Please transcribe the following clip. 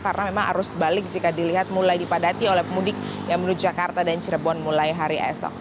karena memang harus balik jika dilihat mulai dipadati oleh pemudik yang menuju jakarta dan cirebon mulai hari esok